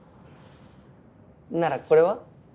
ならこれは？